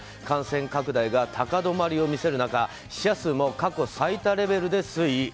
感染拡大が高止まりを見せる中死者数も過去最多レベルで推移。